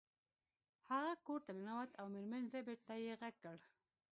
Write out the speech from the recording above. هغه کور ته ننوت او میرمن ربیټ ته یې غږ کړ